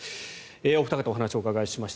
お二方にお話をお伺いしました。